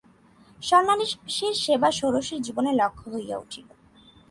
সন্ন্যাসীর সেবা ষোড়শীর জীবনের লক্ষ্য হইয়া উঠিল।